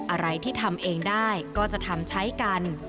อะไรที่ทำเองได้ก็จะทำใช้กัน